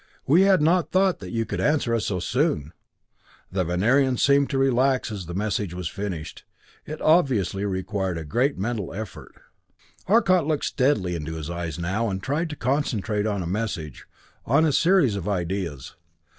We had not thought that you could answer us so soon." The Venerian seemed to relax as the message was finished. It obviously had required great mental effort. Arcot looked steadily into his eyes now, and tried to concentrate on a message on a series of ideas.